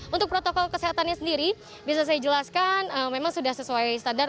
untuk protokol kesehatannya sendiri bisa saya jelaskan memang sudah sesuai standar